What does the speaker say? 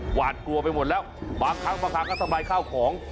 หวัดกลัวไปหมดแล้วบากทั้งแล้วเค้าของ